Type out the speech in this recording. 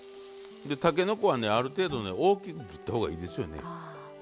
でたけのこはねある程度ね大きく切った方がいいですよね。